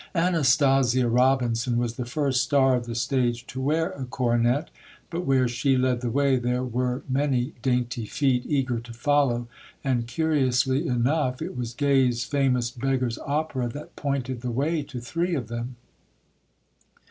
Anastasia Robinson was the first star of the stage to wear a coronet, but where she led the way, there were many dainty feet eager to follow; and, curiously enough, it was Gay's famous Beggar's Opera that pointed the way to three of them.